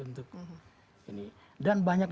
untuk ini dan banyak